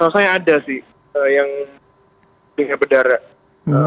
saya ada sih yang punya berdarah